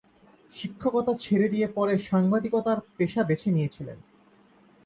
শিক্ষকতা ছেড়ে দিয়ে পরে সাংবাদিকতার পেশা বেছে নিয়েছিলেন।